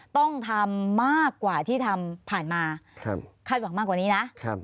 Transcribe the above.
ต้องทำมากกว่าที่ทำผ่านมาคาดหวังมากกว่านี้นะ